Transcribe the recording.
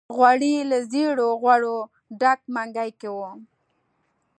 غوړي له زېړو غوړو ډک منګي کې وو.